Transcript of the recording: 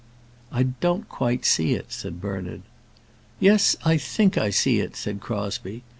"I don't quite see it," said Bernard. "Yes, I think I see it," said Crosbie.